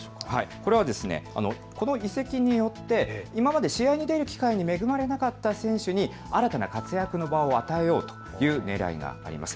これはこの移籍によって今まで試合に出る機会に恵まれなかった選手に新たな活躍の場を与えようということになっています。